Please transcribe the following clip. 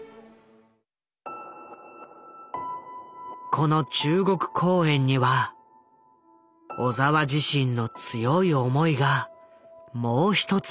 この中国公演には小澤自身の強い思いがもう一つあった。